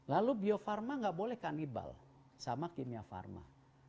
lalu bio farma tidak boleh kanibal sama kimia farma